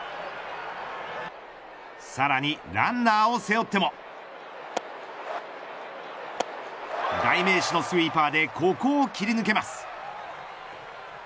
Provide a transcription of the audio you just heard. さらに、ランナーを背負っても代名詞のスイーパーでここを切り抜けます。